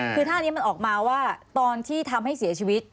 คือท่านี้มันออกมาว่าตอนที่ทำให้เสียชีวิต